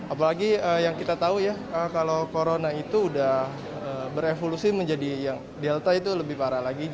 apalagi yang kita tahu ya kalau corona itu udah berevolusi menjadi yang delta itu lebih parah lagi